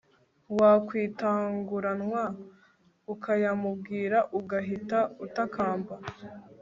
wakwitanguranwa ukayamubwira ugahita utakamba